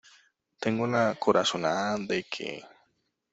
tengo la corazonada de que...